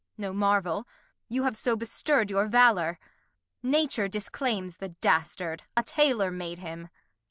Kent. No Marvel, you have so bestir'd your Valour. Nature disclaims the Dastard ; a Taylor made him.